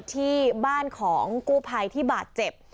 ที่บ้านของกู้ภัยที่บาดเจ็บ